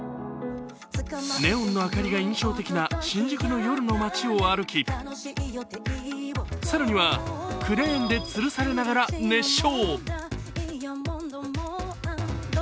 ネオンの明かりが印象的な新宿の夜の街を歩き、更には、クレーンでつるされながら熱唱。